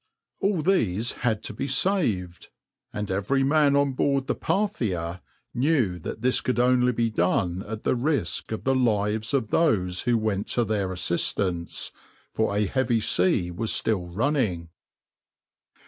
All these had to be saved, and every man on board the {\itshape{Parthia}} knew that this could only be done at the risk of the lives of those who went to their assistance, for a heavy sea was still running.